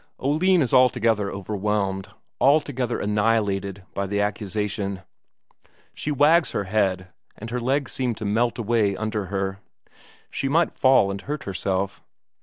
Oline is altogether overwhelmed, altogether annihilated by the accusation; she wags her head, and her legs seem to melt away under her she might fall and hurt herself.